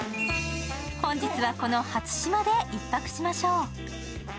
本日は、この初島で１泊しましょう。